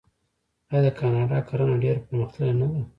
آیا د کاناډا کرنه ډیره پرمختللې نه ده؟